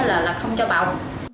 là không cho bảo